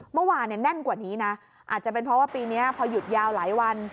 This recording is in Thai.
เมื่อวานแน่นกว่านี้นะอาจจะเป็นเพราะว่าปีนี้พอหยุดยาวหลายวัน